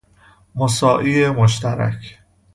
مساعی مشترک